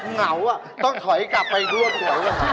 เหงาต้องถอยกลับไปด้วย